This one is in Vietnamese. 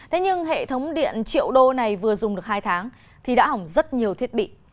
thế nhưng hệ thống điện triệu đô này vừa dùng được hai tháng thì đã hỏng rất nhiều thiết bị